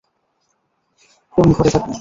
কোন ঘরে থাকবে।